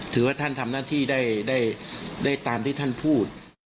ถือว่าท่านทำหน้าที่ได้ตามที่ท่านพูด